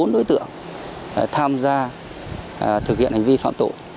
bốn đối tượng tham gia thực hiện hành vi phạm tội